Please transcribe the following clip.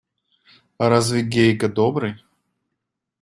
А разве Гейка добрый?